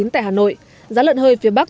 tại hà nội giá lợn hơi phía bắc